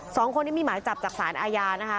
สองคนนี้มีหมายจับจากสารอาญานะคะ